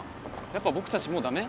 やっぱ僕たちもうダメ？